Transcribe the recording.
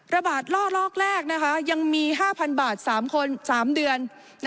ระบาดล่อลอกแรกยังมี๕๐๐บาท๓คน๓เดือน